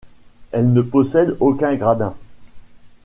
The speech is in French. Elle ne possède aucun gradin.